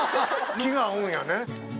気が合うんやね。